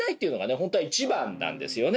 本当は一番なんですよね。